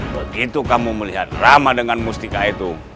begitu kamu melihat ramah dengan mustika itu